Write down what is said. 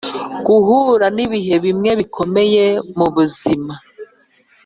guhura nibihe bimwe bikomeye mubuzima